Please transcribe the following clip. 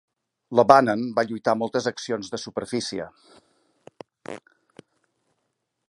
L'"O'Bannon" va lluitar a moltes accions de superfície.